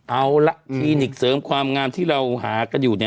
เอาละคลินิกเสริมความงามที่เราหากันอยู่